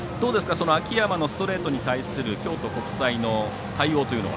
その秋山のストレートに対する京都国際の対応というのは。